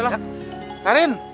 sabar ya rin